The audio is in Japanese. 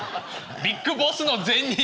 ビッグボスの前任。